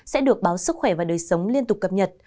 sẽ được báo sức khỏe và đời sống liên tục cập nhật